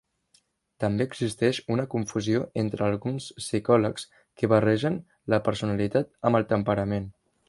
També existeix una confusió entre alguns psicòlegs que barregen la personalitat amb el temperament.